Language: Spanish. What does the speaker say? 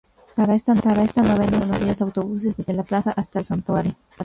Para esta novena salen todos los días autobuses desde La Plaza hasta el santuario.